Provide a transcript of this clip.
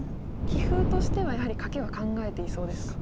棋風としてはやはりカケは考えていそうですか。